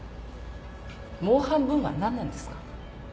もう半分は何なんですか？